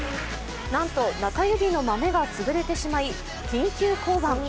なんと中指の豆が潰れてしまい緊急降板。